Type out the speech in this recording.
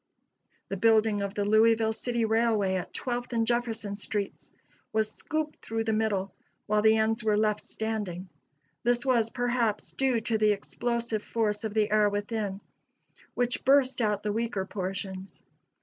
The building of the Louisville City Railway at Twelfth and Jefferson streets was scooped through the middle, while the ends were left standing. This was, perhaps, due to the explosive force of the air within, which burst out the weaker portions.